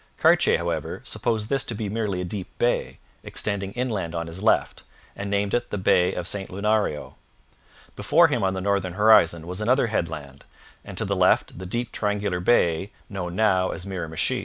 Cartier, however, supposed this to be merely a deep bay, extending inland on his left, and named it the Bay of St Lunario. Before him on the northern horizon was another headland, and to the left the deep triangular bay known now as Miramichi.